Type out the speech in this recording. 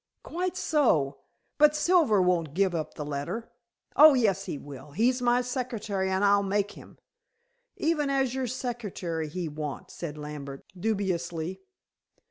"Quite so. But Silver won't give up the letter." "Oh, yes, he will. He's my secretary, and I'll make him." "Even as your secretary he won't," said Lambert, dubiously.